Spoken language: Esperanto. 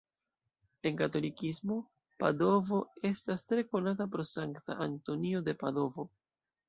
En katolikismo Padovo estas tre konata pro Sankta Antonio de Padovo.